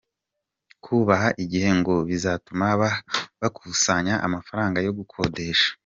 Kubaha igihe ngo bizatuma bakusanya amafaranga yo gukodesha.